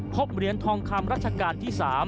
เหรียญทองคำรัชกาลที่๓